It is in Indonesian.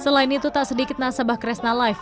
selain itu tak sedikit nasabah kresna life